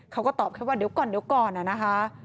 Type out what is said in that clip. เขาก็ตอบแค่ว่าเดี๋ยวก่อนอะนะคะ